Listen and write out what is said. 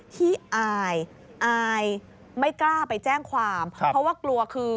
ที่อายอายไม่กล้าไปแจ้งความเพราะว่ากลัวคือ